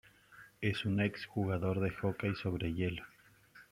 Es un ex-jugador de jockey sobre hielo.